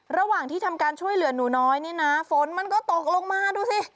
ระหว่างที่ทำการช่วยเหลือหนูน้อยนี่นะฝนมันก็ตกลงมาดูสิ